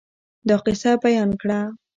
دا قصه بیان کړه.